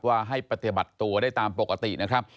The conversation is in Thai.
ให้ปฏิบัติตัวได้ตามปกตินะครับ